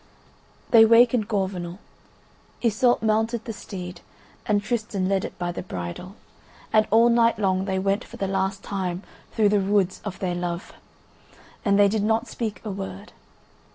They wakened Gorvenal; Iseult mounted the steed, and Tristan led it by the bridle, and all night long they went for the last time through the woods of their love, and they did not speak a word.